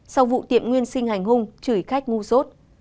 sau vụ tiệm nguyên sinh hành hung chửi khách ngu sốt